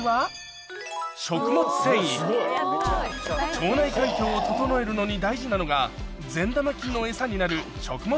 腸内環境を整えるのに大事なのが善玉菌のエサになる食物